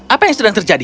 apa yang sedang terjadi